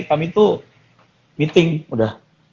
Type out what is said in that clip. kami tuh meeting udah